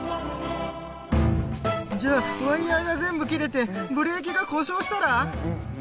じゃあワイヤーが全部切れてブレーキが故障したら！？